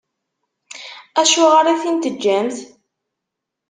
Acuɣer i t-in-teǧǧamt?